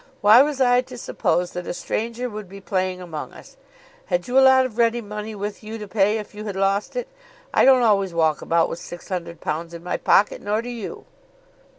Why was I to suppose that a stranger would be playing among us? Had you a lot of ready money with you to pay if you had lost it? I don't always walk about with six hundred pounds in my pocket; nor do you!"